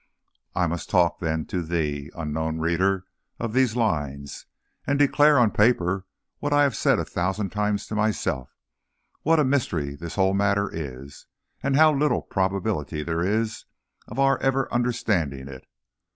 I must talk, then, to thee, unknown reader of these lines, and declare on paper what I have said a thousand times to myself what a mystery this whole matter is, and how little probability there is of our ever understanding it!